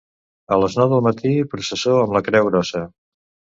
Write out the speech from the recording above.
A les nou del matí, processó amb la Creu Grossa.